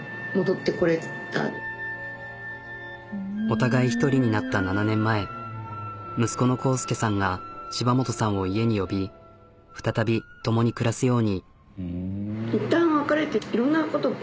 お互い１人になった７年前息子の孝祐さんが柴本さんを家に呼び再び共に暮らすように。